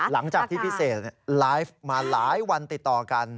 หลังจากที่พี่เสกไลฟ์มาหลายวันติดต่อกัน